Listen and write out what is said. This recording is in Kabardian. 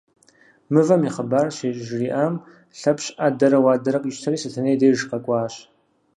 Мывэм и хъыбар щыжриӏэм, Лъэпщ ӏэдэрэ уадэрэ къищтэри Сэтэней деж къэкӏуащ.